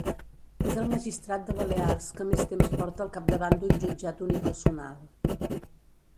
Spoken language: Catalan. És el magistrat de Balears que més temps porta al capdavant d'un jutjat unipersonal.